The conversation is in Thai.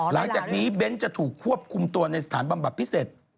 หลังจากนี้เบ้นจะถูกควบคุมตัวในสถานบำบัดพิเศษ